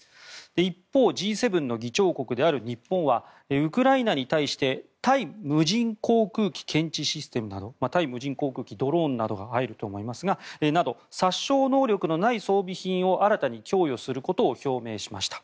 一方、Ｇ７の議長国である日本はウクライナに対して対無人航空機検知システムなど対無人航空機ドローンなどが入ると思いますが殺傷能力のない装備品を新たに供与することを表明しました。